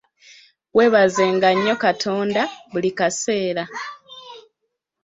Weebaze nga nnyo Katonda buli kaseera.